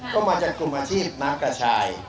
ก็มาจากกลุ่มอาชีพม้ากระชาย